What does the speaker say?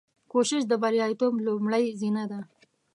کوشش د بریالیتوب لومړۍ زینه ده.